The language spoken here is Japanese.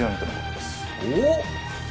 おっ！